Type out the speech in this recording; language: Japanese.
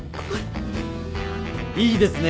いいですね。